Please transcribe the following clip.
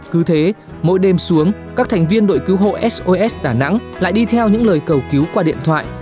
cứ thế mỗi đêm xuống các thành viên đội cứu hộ sos đà nẵng lại đi theo những lời cầu cứu qua điện thoại